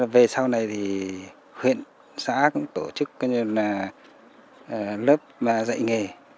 về sau này thì huyện xã cũng tổ chức lớp dạy nghề